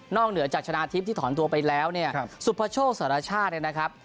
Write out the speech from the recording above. เหนือจากชนะทิพย์ที่ถอนตัวไปแล้วเนี่ยสุภโชคสารชาติเนี่ยนะครับ